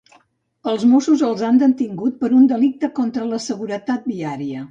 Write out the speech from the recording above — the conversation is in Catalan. Els Mossos els han detingut per un delicte contra la seguretat viària.